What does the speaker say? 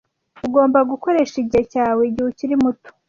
Ugomba gukoresha igihe cyawe igihe ukiri muto.